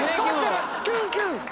キュンキュン！